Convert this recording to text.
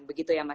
begitu ya mas